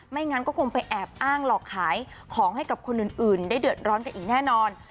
งั้นก็คงไปแอบอ้างหลอกขายของให้กับคนอื่นได้เดือดร้อนกันอีกแน่นอน